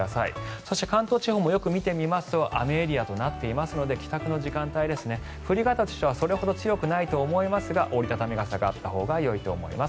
そして関東地方もよく見てみますと雨エリアとなっていますので帰宅の時間帯降り方としてはそれほど強くないと思いますが折り畳み傘があったほうがよいと思います。